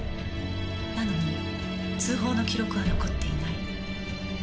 なのに通報の記録は残っていない。